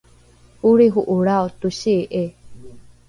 olriho’olrao tosii’i